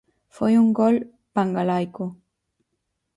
Foi un gol pangalaico.